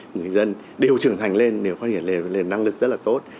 người dân đều trưởng thành lên năng lực rất là tốt